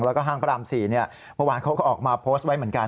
แล้วก็ห้างพระราม๔เมื่อวานเขาก็ออกมาโพสต์ไว้เหมือนกัน